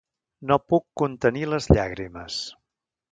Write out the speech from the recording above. No puc contenir les llàgrimes.